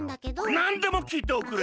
なんでもきいておくれ。